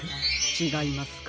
ちがいますか？